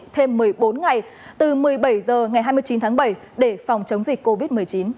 thêm một mươi bốn ngày từ một mươi bảy h ngày hai mươi chín tháng bảy để phòng chống dịch covid một mươi chín